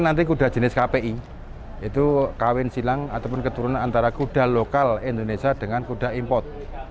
nanti kuda jenis kpi itu kawin silang ataupun keturunan antara kuda lokal indonesia dengan kuda import